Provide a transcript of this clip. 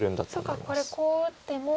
そっかこれこう打っても。